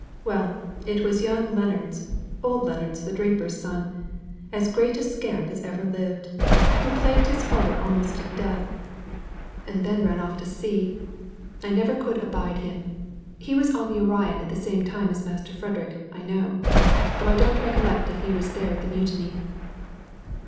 Well, it was young Leonards, old Leonards the draper's son, as great a scamp as ever lived who plagued his father almost to death, and then ran off to sea. I never could abide him. He was in the Orion at the same time as Frederick, I know; though I don't recollect if he was there at the mutiny."